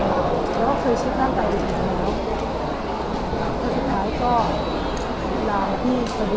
แล้วก็เคยชิดนั่งแต่เดี๋ยวแล้วก็สุดท้ายก็ราวที่สะดุด